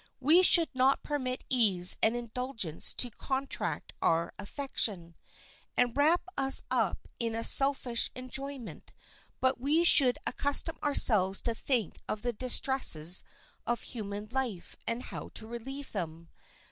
We should not permit ease and indulgence to contract our affection, and wrap us up in a selfish enjoyment; but we should accustom ourselves to think of the distresses of human life and how to relieve them.